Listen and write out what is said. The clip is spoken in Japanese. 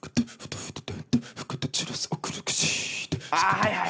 あはいはい。